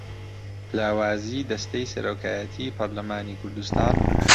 لاوازیی دەستەی سەرۆکایەتیی پەرلەمانی کوردستان